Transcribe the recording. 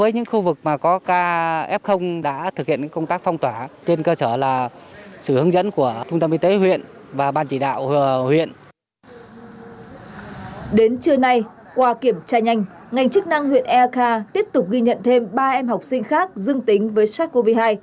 ngành chức năng huyện ek tiếp tục ghi nhận thêm ba em học sinh khác dương tính với sars cov hai